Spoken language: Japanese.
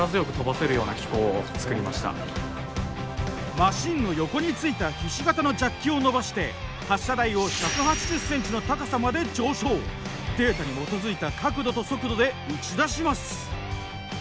マシンの横についたひし形のジャッキを伸ばして発射台をデータに基づいた角度と速度で打ち出します。